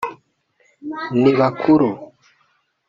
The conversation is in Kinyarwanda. ni bakuru